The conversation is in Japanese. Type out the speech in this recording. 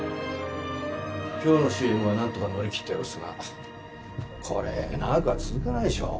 今日のＣＭは何とか乗り切ったようですがこれ長くは続かないでしょう。